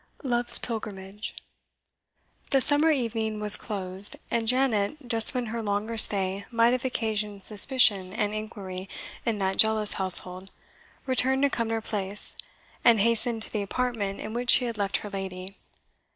LOVE'S PILGRIMAGE. The summer evening was closed, and Janet, just when her longer stay might have occasioned suspicion and inquiry in that zealous household, returned to Cumnor Place, and hastened to the apartment in which she had left her lady.